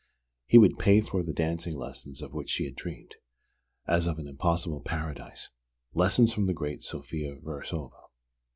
He would pay for the dancing lessons of which she had dreamed, as of an impossible Paradise: lessons from the great Sophia Verasova.